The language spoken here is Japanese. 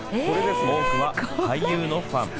多くは俳優のファン。